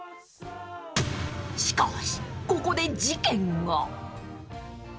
［しかしここで事件が］